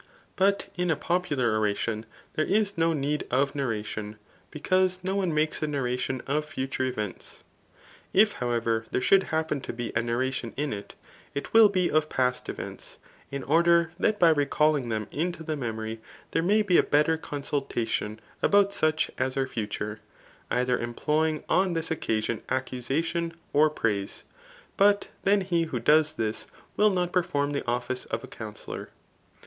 But in a popular oration, there is no need of narradon, because no one makes a narration of future events. If, however, there should happen to be a narration in it, it will be of past events, in order that by recalling them into the memory, there may be a better consultation about such as are future, either employing on this occa son accusation or praise ; but then he who does this, will not perform the office of a counsellor.